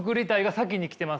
先に来てますよね。